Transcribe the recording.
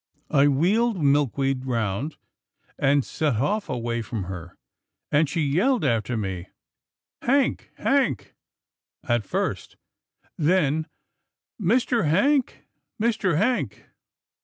I wheeled Milkweed round, and set off away from her, and she yelled after me, ' Hank, Hank,' — at first, then, ' Mr. Hank, Mr. Hank.'